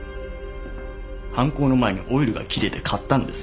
犯行の前にオイルが切れて買ったんです。